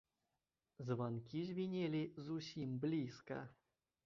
Званкі звінелі зусім блізка.